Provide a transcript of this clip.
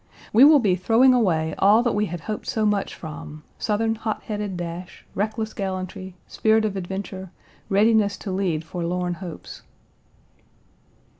We will be throwing away all that we had hoped so much from Southern hot headed dash, reckless gallantry, spirit of adventure, readiness to lead forlorn hopes."